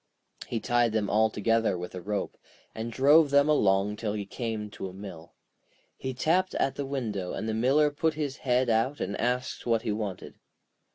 He tied them all together with a rope, and drove them along till he came to a mill. He tapped at the window, and the Miller put his head out and asked what he wanted.